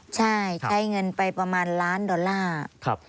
ใช่ใช้เงินไปประมาณล้านดอลลาร์